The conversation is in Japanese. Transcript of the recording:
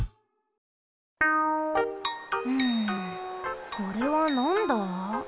んこれはなんだ？